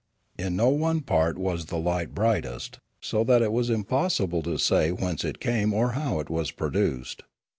In no one part was the light brightest, so that it was impossible to say 234 Limanora whence it came or how it was produced.